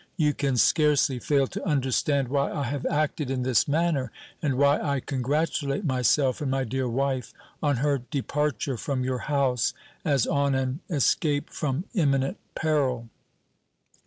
You can scarcely fail to understand why I have acted in this manner, and why I congratulate myself and my dear wife on her departure from your house as on an escape from imminent peril.